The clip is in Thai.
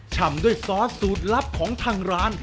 ชำด้วยซอสสูตรลับของทางร้าน